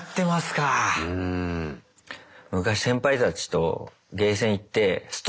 昔先輩たちとゲーセン行ってスト